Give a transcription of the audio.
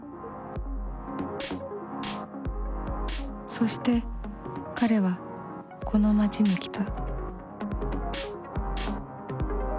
そして彼はこの街に来た。